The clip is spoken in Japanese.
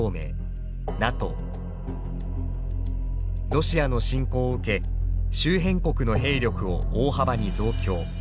ロシアの侵攻を受け周辺国の兵力を大幅に増強。